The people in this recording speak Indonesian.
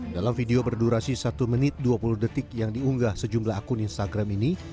dalam video berdurasi satu menit dua puluh detik yang diunggah sejumlah akun instagram ini